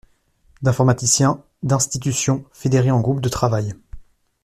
d'informaticiens, d'institutions, fédérés en groupes de travail.